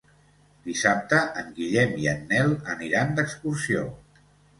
Dissabte en Guillem i en Nel aniran d'excursió.